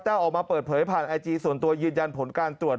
ออกมาเปิดเผยผ่านไอจีส่วนตัวยืนยันผลการตรวจ